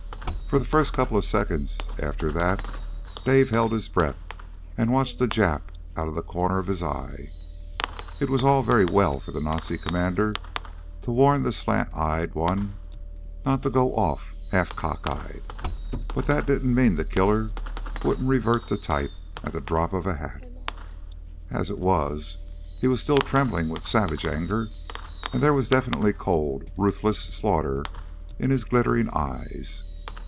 For the first couple of seconds after that Dave held his breath and watched the Jap out the corner of his eye. It was all very well for the Nazi commander to warn the slant eyed one not to go off half cockeyed, but that didn't mean that the killer wouldn't revert to type at the drop of the hat. As it was, he was still trembling with savage anger, and there was definitely cold, ruthless slaughter in his glittering eyes.